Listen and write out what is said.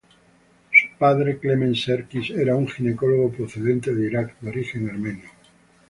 Su padre, Clement Serkis, era un ginecólogo procedente de Irak, de origen armenio.